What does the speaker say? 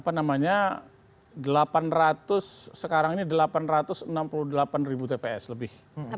sekarang ini delapan ratus enam puluh delapan tps lebih